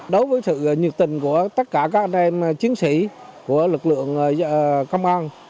đối với sự nhiệt tình của tất cả các anh em chiến sĩ của lực lượng công an